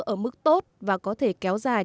ở mức tốt và có thể kéo dài